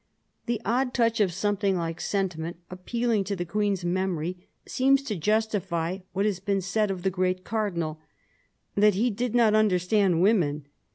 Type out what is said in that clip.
The odd touch of something like sentiment, appealing to the Queen's memory, seems to justify what has been said of the great Cardinal — that he did not understand women.